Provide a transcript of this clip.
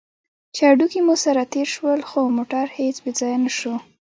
چې هډوکي مو سره تېر شول، خو موټر هېڅ بې ځایه نه شو.